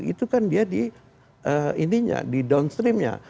itu kan dia di intinya di downstream nya